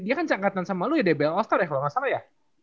dia kan cekatan sama lu ya debel ostar ya kalo gak salah ya